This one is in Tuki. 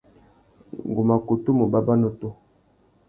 Ngu mà kutu mù bàbà nutu.